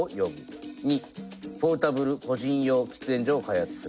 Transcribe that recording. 「②ポータブル個人用喫煙所を開発する」。